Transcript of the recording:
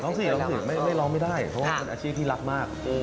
ร้องสิไม่ร้องไม่ได้เพราะว่าเป็นอาชีพที่รักมาก